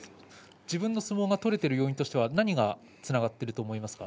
自分の相撲が取れている要因としては何がつながっていると思いますか？